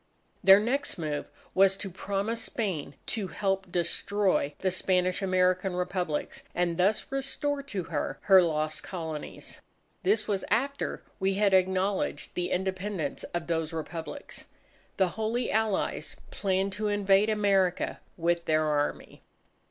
Their next move was to promise Spain to help destroy the Spanish American Republics, and thus restore to her her lost Colonies. This was after we had acknowledged the Independence of those Republics. The Holy Allies planned to invade America with their Army.